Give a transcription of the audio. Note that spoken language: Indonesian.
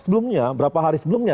sebelumnya berapa hari sebelumnya